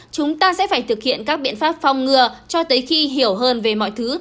chúng ta sẽ phải thực hiện các biện pháp phong ngừa cho tới khi hiểu hơn về mọi thứ